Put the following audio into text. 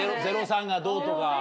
０３がどうとか？